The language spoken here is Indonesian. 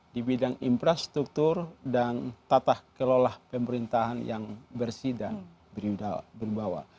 di bidang infrastruktur dan tata kelola pemerintahan yang bersih dan berbawa